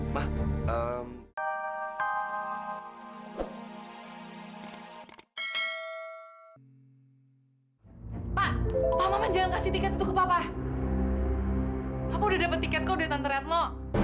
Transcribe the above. papa udah dapet tiket kok dari tante retno